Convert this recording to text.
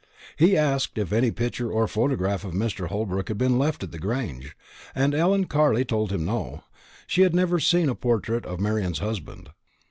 He asked if any picture or photograph of Mr. Holbrook had been left at the Grange, and Ellen Carley told him no, she had never even seen a portrait of Marian's husband.